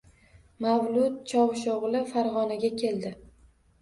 Mavlud Chovusho‘g‘li Farg‘onaga keldi